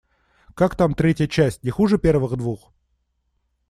Как там третья часть, не хуже первых двух?